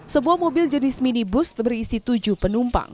sebuah mobil jenis minibus berisi tujuh penumpang